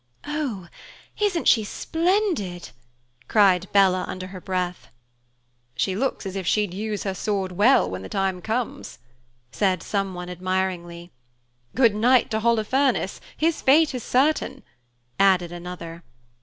"Oh, isn't she splendid?" cried Bella under her breath. "She looks as if she'd use her sword well when the time comes," said someone admiringly. "Good night to Holofernes; his fate is certain," added another.